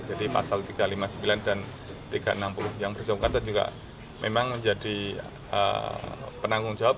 pasal tiga ratus lima puluh sembilan dan tiga ratus enam puluh yang bersangkutan juga memang menjadi penanggung jawab